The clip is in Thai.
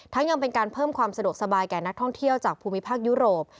ยังเป็นการเพิ่มความสะดวกสบายแก่นักท่องเที่ยวจากภูมิภาคยุโรป